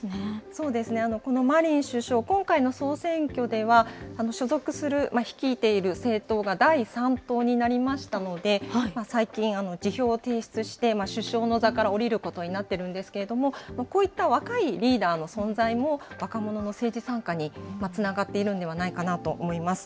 そうですね、このマリン首相、今回の総選挙では、所属する、率いている政党が第３党になりましたので、最近、辞表を提出して首相の座から降りることになっているんですけれども、こういった若いリーダーの存在も、若者の政治参加につながっているんではないかと思います。